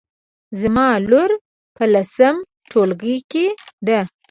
زما لور په لسم ټولګي کې ده